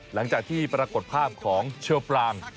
หลังจากที่ปรากฏภาพของเชอปราง